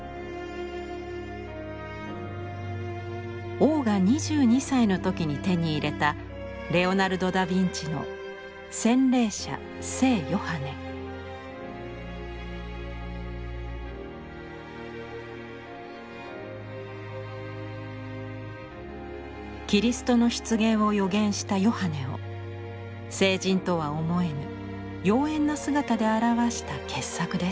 王が２２歳の時に手に入れたキリストの出現を予言したヨハネを聖人とは思えぬ妖艶な姿で表した傑作です。